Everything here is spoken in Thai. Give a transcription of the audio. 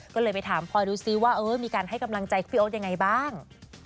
ก็เลยไปถามพลอยดูซิว่ามีการให้กำลังใจพี่โอ๊ตยังไงบ้าง